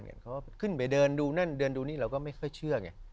เขาก็ขึ้นไปเดินดูนั่นเดินดูนี่เราก็ไม่ค่อยเชื่อไง